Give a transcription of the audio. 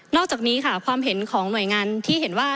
อกจากนี้ค่ะความเห็นของหน่วยงานที่เห็นว่า